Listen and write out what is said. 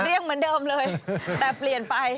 ยังเหมือนเดิมเลยแต่เปลี่ยนไป